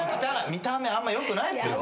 見た目あんま良くないっすよ。